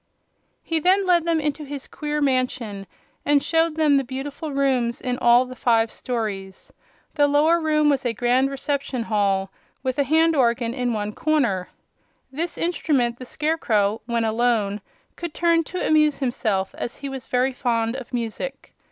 He then led them into his queer mansion and showed them the beautiful rooms in all the five stories. The lower room was a grand reception hall, with a hand organ in one corner. This instrument the Scarecrow, when alone, could turn to amuse himself, as he was very fond of music.